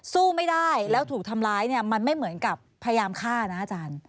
สู้ไม่ได้แล้วถูกทำร้ายเนี่ยมันไม่เหมือนกับพยายามฆ่านะอาจารย์